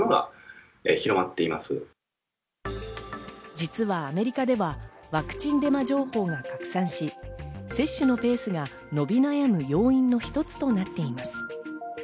実はアメリカではワクチンデマ情報が拡散し、接種のペースが伸び悩む要因の一つとなっています。